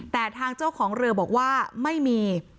แต่ทางเจ้าของเรือบอกว่าไม่มี